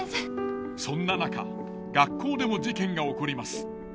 そんな中学校でも事件が起こります。